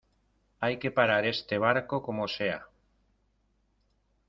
¡ hay que parar este barco como sea!